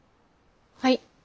はい。